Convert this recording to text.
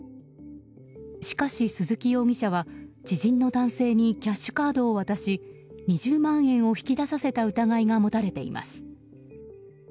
しかし、鈴木容疑者は知人の男性にキャッシュカードを渡し２０万円を引き出させた疑いが持たれています。